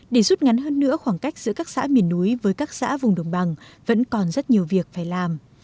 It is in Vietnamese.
để rút ngắn hơn nữa khoảng cách giữa các xã miền núi với các xã vùng đồng bằng vẫn còn rất nhiều việc phải làm